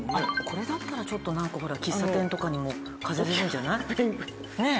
これだったらちょっとなんかほら喫茶店とかにも飾れるんじゃない。ねえ？